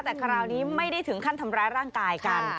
แต่คราวนี้ไม่ได้ถึงขั้นทำร้ายร่างกายกัน